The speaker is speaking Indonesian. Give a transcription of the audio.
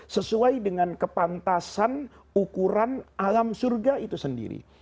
sesuai dengan kepantasan ukuran alam surga itu sendiri